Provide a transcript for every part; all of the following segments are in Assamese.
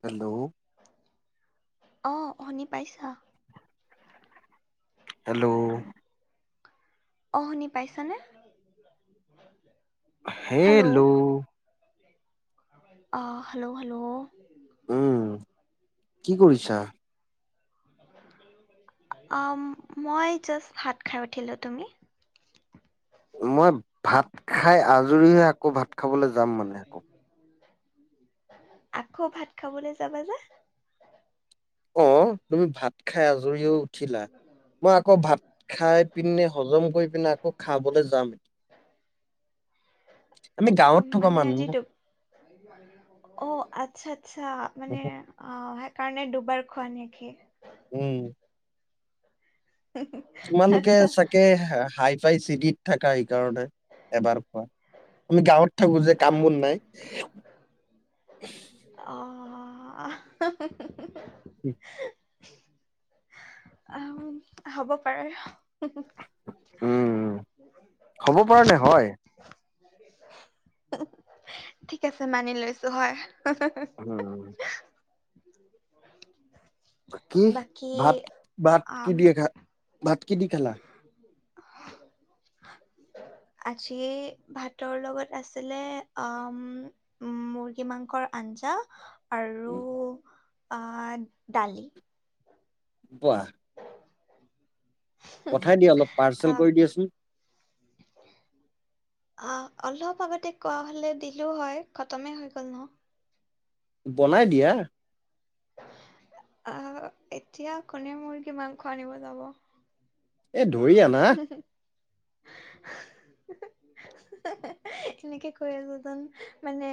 হেল্ল'। অ', শুনি পাইছা। হেল্ল'। অ', শুনি পাইছানে? হেল্ল। অ', হেল্ল' হেল্ল'। উম কি কৰিছা? অ', মই জাষ্ট ভাত খাই উঠিলো। তুমি? মই ভাত খাই খাই আজৰি হৈ, আকৌ ভাত খাবলৈ যাম মানে আকৌ। আকৌ ভাত খাবলৈ যাবা যে! অ', তুমি ভাত খাই আজৰিও উঠিলা। মই আকৌ ভাত খাই পিনে হজম কৰি পিনে আকৌ খাবলৈ যাম এতিয়া। মানে আজি মানুহ দু- অ', আচ্ছা-আচ্ছা মানে অ', সেইকাৰণে দুবাৰ। হয় নেকি? উম তোমালোকে আচ্ছা চাগৈ হাই ভাই চিটিত থাকা সেইকাৰণে এবাৰ খোৱা আমি গাঁৱত থাকো যে কাম বোৰ নাই। অ' অ'। উম [unintelligible] আম, হ'ব পাৰে। উম হ'ব পাৰে নে হয়? ঠিক আছে মানি লৈছোঁ হয়। উম [unintelligible] কি বাকী ভাত ভাত কি আম দিয়ে খা ভাত কি দি খালা? আজি ভাতৰ লগত আছিলে উম মুৰ্গী মাংসৰ আঞ্জা। আৰু অ' দালি। পোৱা [unintelligible] পঠাই দিয়া অলপ পাৰ্চেল আহ কৰি দিয়াচোন। অ', অলপ আগতে কোৱা হলে দিলো হয় খতমেই হৈ গল ন। বনাই দিয়া। অ', এতিয়া কোনে মুৰ্গী মাংস আনিব যাব। এ ধৰি আনা। এনেকে কৈ আছো যেন, মানে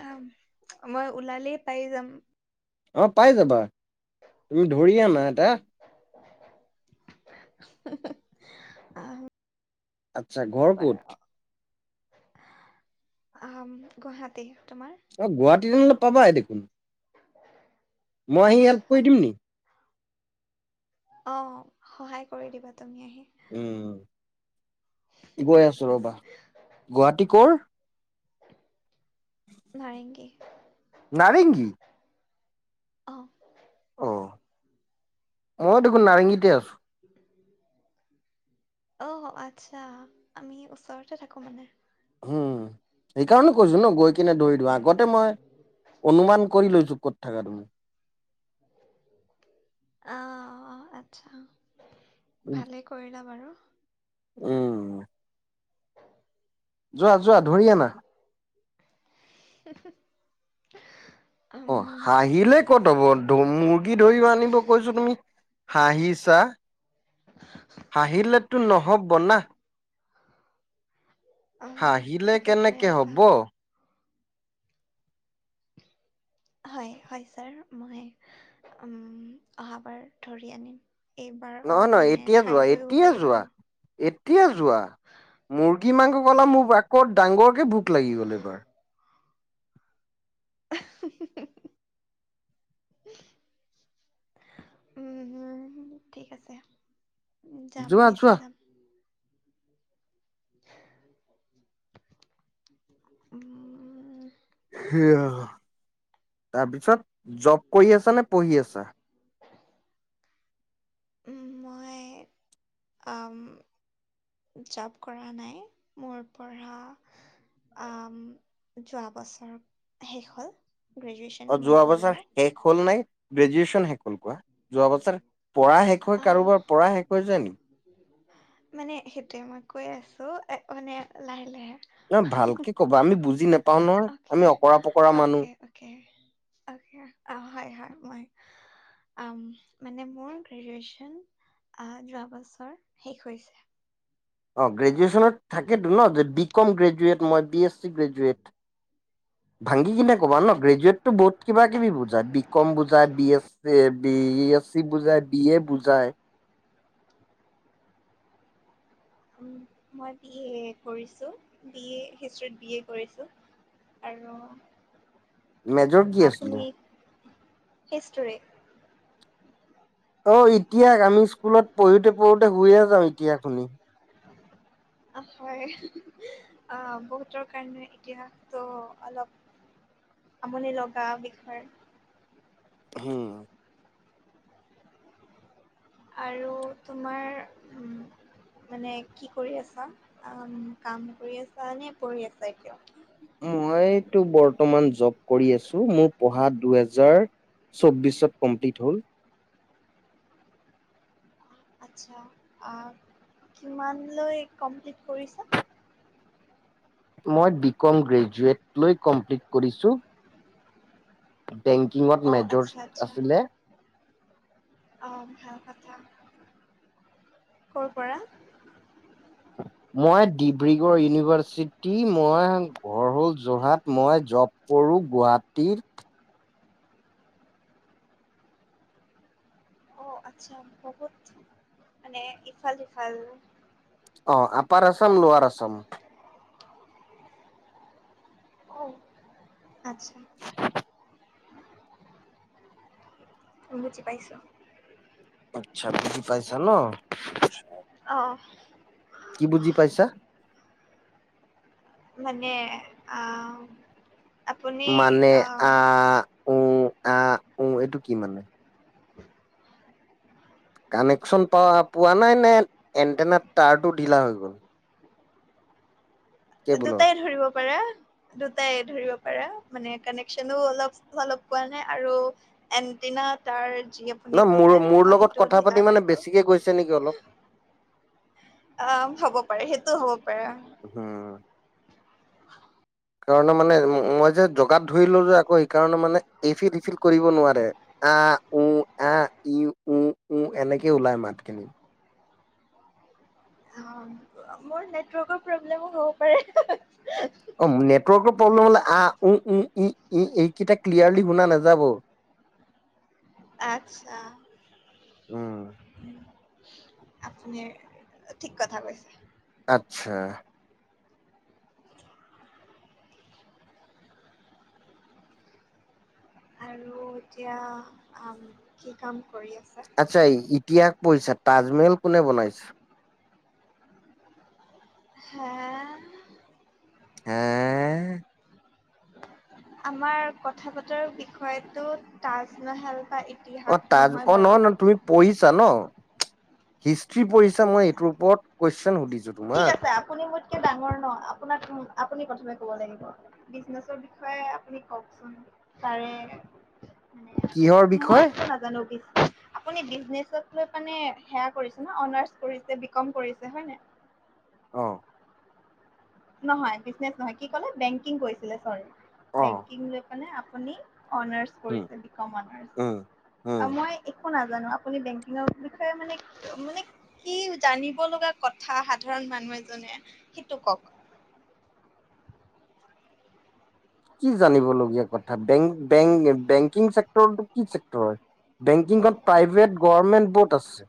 আ মই ওলালেই পাই যাম। অ' পাই যাবা। তুমি ধৰি আনা এটা। আহ আচ্ছা ঘৰ ক'ত? আম গুৱাহাটী। তোমাৰ এই গুৱাহাটীত হলে পাবাই দেখোন। মই আহি হেল্প আচ্ছা কৰি দিম নি? অ' সহায় কৰি দিবা। তুমি আহি উম গৈ আছো ৰ'বা গুৱাহাটী কৰ? নাৰেংগী। নাৰেংগী অ'। অ' দেখোন নাৰেংগীতে আছো। অ' আচ্ছা আমি ওচৰতে থাকো মানে। হুহ সেইকাৰণে কৈছো ন গৈ কেনে আগত মই অনুমান কৰি লৈছো ক'ত থকা তুমি। অহ আচ্ছা। ভালে কৰিলা বাৰু উম। যোৱা যোৱা ধৰি আনা। [inaudible] অ হাঁহিলে কত হ'ব মুৰ্গী ধৰিব আনিব কৈছো তুমি হাঁহিছা। হাঁহিলেতো নহ'ব না উম, হাঁহিলে ঠিকে কৈ কেনেকে আছা। হ'ব। হয়', হয়, ছাৰ মই অহাবাৰ ধৰি আনিম। এইবাৰ নহয় অলপ নহয় মানে এতিয়া যোৱা খাই বৈ এতিয়া শুবৰি যোৱা ললো। এতিয়া যোৱা মুৰ্গী মাংস কওঁতে মোৰ ডাঙৰকৈ ভোক লাগি গ'ল এইবাৰ। উম, ঠিক আছে যাম যোৱা যোৱা নিশ্চয় যাম। উম'। সেইয়া তাৰপিছত জব কৰি আছা নে পঢ়ি আছা? মই আ' জব কৰা নাই, মোৰ পঢ়া যোৱা বছৰ শেষ হ'ল। গ্ৰেজুৱেশ্যন অ', মই যোৱা বছা কৰিলোঁ। শেষ হ'ল নে? গ্ৰেজুৱেশ্যন শেষ হ'ল কোৱা। যোৱা বছৰ পঢ়া শেষ হৈ কাৰোবাৰ আহ পঢ়া শেষ হৈ যায় নেকি? মানে সেইটোয়ে মই কৈ আছো এ মানে লাহে লাহে ন' ভালকে ক'বা আমি বুজি নাপ অকে, অকে, অকে। অ', অ', অ', মোৰ গ্ৰেজুৱেচন যোৱা বছৰ শেষ হৈছে। অ', গ্ৰেজুৱেচনত থাকেতো ন দি, বি কম গ্ৰেজুৱেট মই বি এছ গ্ৰেজুৱেট ভাঙগি কিনে ক'বা ন গ্ৰেজুৱেটটো বহুত কিবা কিবি বুজাই বি কম বুজাই B A B S C বুজাই বি এ বুজাই। মই বি এ কৰিছোঁ বি এ হিষ্ট্ৰিত বি এ কৰিছোঁ আৰু মেজৰ কি আছিলে? হিষ্ট্ৰি অ', এতিয়া আমি স্কুলত পঢ়োতে পঢ়োতে শুয়ে যাওঁ এতিয়া তুমি। হয় অ', বহুতৰ কাৰণে এতিয়াতো অলপ আমনি লগা বিষয়। হম। আৰু তোমাৰ উম, মানে কি কৰি আছা? কাম কৰি আছা নে পঢ়ি আছা এতিয়া? মইতো বৰ্তমান জব কৰি আছো মোৰ পঢ়া দুহেজাৰ চৌবিশত কমপ্লিট হ'ল। আচ্ছা কিমানলৈ কমপ্লিট কৰিছা? মই বি কম গ্ৰেজুৱেট লৈ কমপ্লিট কৰিছোঁ। বেংকিঙত অঁ মেজৰ আচ্ছা আছিলে। অ', ভাল কথা, কৰ পৰা? মই ডিব্ৰুগড় ইউনিভাৰ্চিটি মই ঘৰ হ'ল যোৰহাট মই জব কৰোঁ গুৱাহাটীৰ অ', আচ্ছা বহুত মানে ইফাল-সিফাল। অ', আপাৰ আসাম, লোৱাৰ আসাম। অ', আছ [inaudible] উভুতি পাইছো। আচ্ছা বুজি পাইছা ন' [unintelligible] অ'। কি বুজি পাইছা? মানে অ'। মানে আ উ আহ উ এইটো কি মানে। কানেকশচন পোৱা পোৱা নাই নে এণ্টাৰনেট টাৰটো ঢিলা হৈ গ'ল? কেবুলৰ দুটাই ধৰিব দুটাই, দুটাই ধৰিব পাৰা মানে কানেকচনো অলপ অলপ পোৱা নাই আৰু এন্টিনা তাৰ যি আপুনি ন মোৰ ক'লে মোৰ লগত সেইটো কথা পাতি ঢিলা হৈ মানে গ'ল বেছিকে গৈছে নেকি অলপ অ' হব পাৰে সেইটো সেইটো হ'ব। পাৰে হম। কাৰণে মানে মই যে জগাত ধৰি ল'ল যে আকৌ সেইকাৰণে মানে এই ফিলফিল কৰিব নোৱাৰে আ- উ-আ-ই-উ-উ এনেকেই ওলাই মাতখিনি। অ'মোৰ নেটৱৰ্কৰ প্ৰব্লেমো হ'ব পাৰে অ'নেটৱৰ্কৰ প্ৰব্লেম হ'লে আহ-উ- উ-উ-ই এইকেইটা ক্লিয়াৰলি শুনা নাযাব। আতছা। উম আপুনি ঠিক কথা কৈছে। আচ্ছা। আৰু এতিয়া কি কাম কৰি আছা আচ্ছা এই ইতিয়া পঢ়িছা তাজমহল কোনে বনাইছে? হে! হে! আমাৰ কথা বতৰ বিষয়তটো তাজমহেল বা অ ইতিহাস ত নহয় অ নহ বাৰু ন তুমি পঢ়িছা ন! হিষ্ট্ৰি পঢ়িছা মই এইটোৰ ওপৰত কুৱেশন সুধিছো? ঠিক তোমাক আছে আপুনি ম ডাঙৰ ন আপোনাক আপুনি প্ৰথমে ক'ব লাগিব বিজনেচৰ বিষয়ে আপুনি কওকচোন তাৰে কিহৰ ম মই বিষয়? একো নাজানো পছ [unintelligible] আহ। নহয় বিজনে নহয় কি কলে বেংকিং কৰিছিল চ। অ বেংকিং মানে আপুনি অনাৰ্চ উম কৰিছে বিকম উম উম। অনাৰ মই এক নাজানো আপুনি বেংকিঙৰ বিষয়ে মানে মানে কি জানিব লগা কথা সাধাৰণ মানুহ এজনে সেইটো কওক। কি জানিবলগীয়া কথা বেংকিংক্ কি চেক্ হয় বেংকিঙত প্ৰাইভ গমেন্ বত আছে।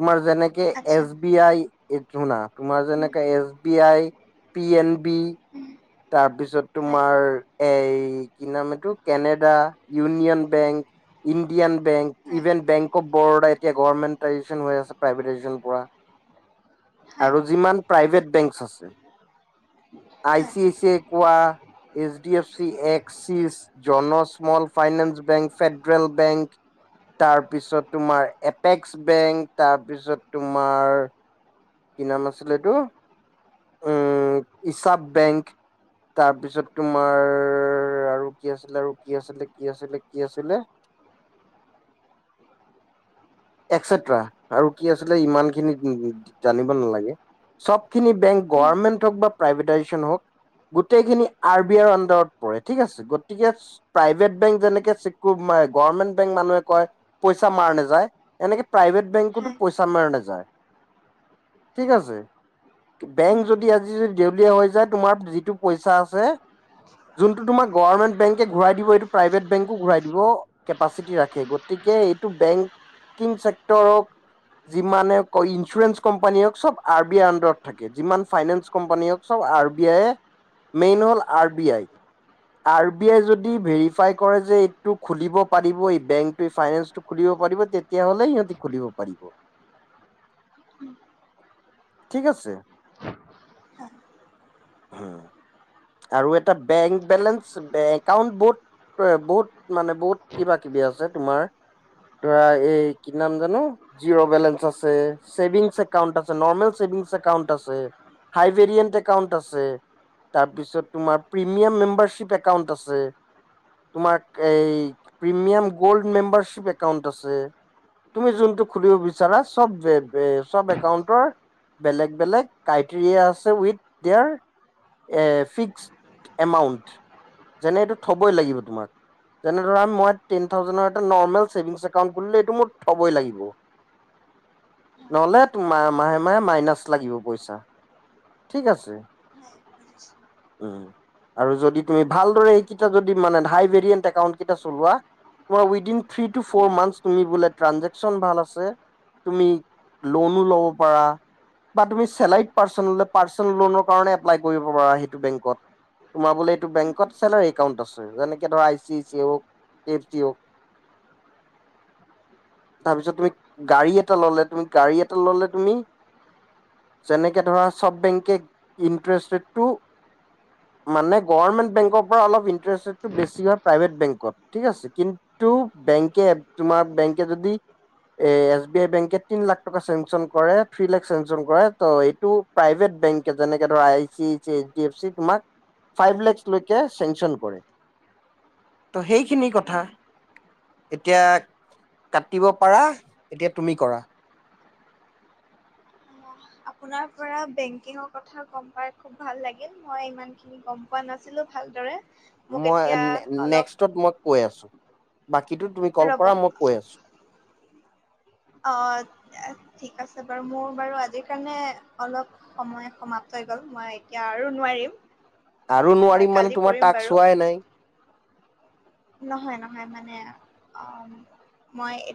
তোমাৰ যেনেকে আচ্ছা এছ বি আই শুনা তোমাৰ উম যেনেকে এছ বি আই উম তাৰ পিছত তোমাৰ এ ন কো ই বেং ই বেংক ইভেন বেংক অফ বৰোদাৰ এতিয়া গভৰ্মেণ্টাইজেচন হৈ আছে প্ৰাইভেটাইজেচন পৰা আৰু যিমান প্ৰাইভেট ব ক এইচ ডি এফ চি একি Jana small finance bank federal bank তাৰপিছত তোমাৰ এপেক্স বেংক তাৰপিছত তোমাৰ কি নাম আছিলেটো উম ইচাপ বেংক তাৰপিছত তোমাৰ আৰু কি আছিলে আৰু কি আছিলে কি আছিল কি আছিলে একটা আৰু কি আছিল ইমানখিনি জানিব নালাগে সব খিনি বেং গমেন্ট হক বা প্ৰাইভোইজন হক গোটেইখিনি আৰ বি আইৰ আডাৰত পৰে ঠিক আছে গতিকে প্ৰাইভেট বেং যেনেকে গমেন্ট বেংক মানুহে কয় পইচা মাৰ নাযায় এনেকে প্ৰাইভেট বেংকতো পইচা মাৰ নাযায় ঠিক আছে বেংক যদি আজি যদি দেউলিয় হৈ য তুমাৰ যিটো পইচা আছে যোনটো তোমাৰ গভমেট বেক ঘূৰাই দিব এইটো প্ৰাইভেট বেংকো ঘূৰাই দিব কেপাচিটি ৰাখে গতিকে এইটো বেংক ে্ যিে ইঞ্চুৰেঞ্চ কোম্পানী হওক চব আৰ বি আই আডাৰত থাকে যিমান ফাইনেন্স কোম্পানী হওক চব আৰ বি আইয়ে মেইন হ'ল R B I R B I যদি ভেৰিফাই কৰে যে এইটো খুলিব পাৰিব এই বেংকটো এই ফাইনেন্সটো খুলিব পাৰিব তেতিয়াাহ'লে সিহঁতে খুলিব পাৰিব উম ঠিক আছে হ উ আৰু এটা বেংক বেলেঞ্চ একাউন্ট বহুত বহুত মানে বহুত কিবা কিবি আছে তোমাৰ ধৰা এই কি নাম জানো জিৰ' বেলেঞ্চ আছে ছেভিংছ একাউন্ট আছে নৰ্মেল চছেভিংছ একাউন্ট আছে হাই ভেৰিয়েণ্ট একাউন্ট আছে তাৰপিছত তোমাৰ প্ৰিমিয়াম মেম্বাৰশ্বিপ একাউন্ট আছে তোমাৰ এই প্ৰিমিয়াম গল্ড মেম্বাৰশ্বিপ একাউন্ট আছে তুমি যোনটো খুলিব বিচাৰাবব একাউন্টৰ বেলেগ বেলেগ ক্ৰাইটেৰিয়া আছে উইথ দোৰ ফ এমাউন্ট যেনে এইটো থবই লাগিব তোমাক যেনে ধ মই টেন থাউজে এটা নছেভিং মোৰ থবই লাগিব নলে তোমাৰ মাহে মাহে মাইনাচ লাগিব পইচা ঠিক আছে [inaudible] উ আৰু যদি তুমি ভালদৰে এইকেইটা যদি মানে হাই ভেৰিয়েণ্ট একাউণ্ট কেইটা চলোৱা তোমাৰ উইডিন থ্ৰী টু ফ'ৰান্থথছুম বোলে ট্ৰাঞ্জেকচন ভাল আছে তুমি লোনো ল'ব পাৰা বা তুমি চেলাইড পাৰ্চন পাৰ্চনেল লোনৰ কাৰণে এপ্লাই কৰিব পৰাি বেংকত তোমাৰ বোলে এইটো বেংকত আছে আৰু একাউণ্টতছে িছুি গা গা ললে তুনেকেবেং মানে গভৰ্মেন্ট বেংকৰ পৰা অলপ ইষ্ট বেছি হয় প্ৰভট বেংকত ঠিক আছে কিন্তু বেংক তোমাৰ বেংকে যদি এ এছ বি আই বেংক তিন লাখ টকা চেংচন কৰে থ্ৰী লাখ চেংচন কৰে ত এইটো প্ৰাইভেট বেংক যেনেকে ধৰ আই চিই চি [inaudible] ত' সেইখিনি কথা এতিয়া কাটিব পাৰা এতিয়া তুমি কৰা আপোনাৰ পৰা ভাল ল মই ইমান খিন গ প নাছিলো ভালৰে মই নেক্সটত মই কৈ আছো বাকী কিু তুমি কল ৰ'ব কৰা মই কৈ আছো অ ঠিক আছে বাৰু মোৰ বাৰু আজিৰ কাৰণে অলপ সময় সমাপ্ত হৈ গ'ল মই এতিয়া আৰু নোৱাৰিম আৰু মই নোৱাৰিম মানে কালি তোমাৰ কৰিম তাক বাৰু চোৱাই নাই নহয় নহয় মানে অ মই